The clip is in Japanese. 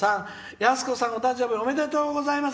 やすこさん、お誕生日おめでとうございます。